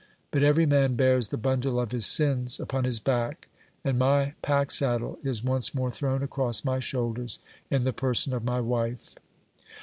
But every man bears the bundle of his sins upon his back, and my pack saddle is once more thrown across my shoulders in the person of my wife.